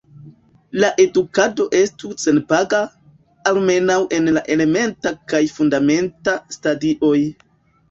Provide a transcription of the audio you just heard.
La edukado estu senpaga, almenaŭ en la elementa kaj fundamenta stadioj.